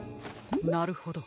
なるほど。